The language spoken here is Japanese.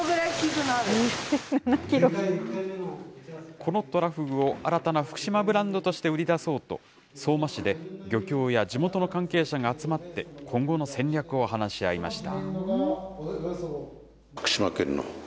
このトラフグを新たな福島ブランドとして売り出そうと、相馬市で漁協や地元の関係者が集まって、今後の戦略を話し合いました。